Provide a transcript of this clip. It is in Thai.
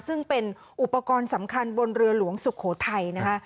ซึ่งเป็นอุปกรณ์สำคัญบนเรือหลวงสุโขทัยนะคะ